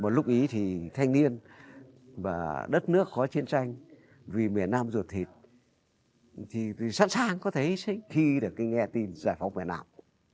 và lúc ý thì thanh niên và đất nước có chiến tranh vì miền nam ruột thịt thì sẵn sàng có thể khi được nghe tin giải phóng việt nam